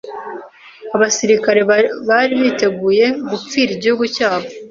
Abasirikare bari biteguye gupfira igihugu cyabo.